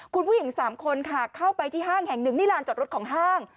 คุณผู้หญิง๓คนค่ะเข้าไปที่ห้างแห่งหนึ่งนี่ลานจอดรถของห้าง